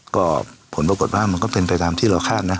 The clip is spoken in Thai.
ก็ผลปรากฏว่ามันก็เป็นไปตามที่เราคาดนะ